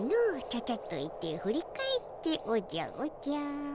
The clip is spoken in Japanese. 「ちゃちゃっと行って振り返っておじゃおじゃ」